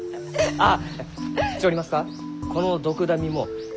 あっ。